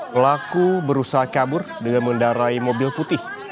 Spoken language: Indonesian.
pelaku berusaha kabur dengan mengendarai mobil putih